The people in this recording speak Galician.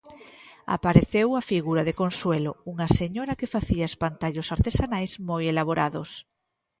Apareceu a figura de Consuelo, unha señora que facía espantallos artesanais moi elaborados.